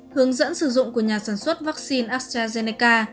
hướng dẫn sử dụng của nhà sản xuất vaccine astrazeneca